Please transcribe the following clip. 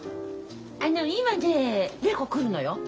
あの今ね礼子来るのよ。